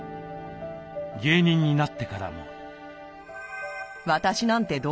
芸人になってからも。